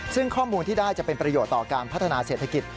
ซึ่งข้อมูลที่ได้จะเป็นประโยชน์ต่อการพัฒนาเศรษฐกิจ